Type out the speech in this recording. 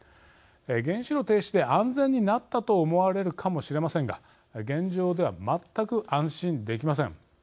原子炉停止で安全になったと思われるかもしれませんが現状では全く安心できません。